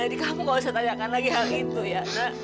jadi kamu gak usah tanyakan lagi hal itu ya nak